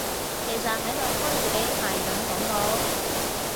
其實喺度幫自己賣緊廣告？